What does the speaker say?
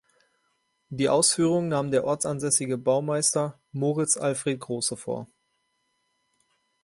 Die Ausführung nahm der ortsansässige Baumeister Moritz Alfred Große vor.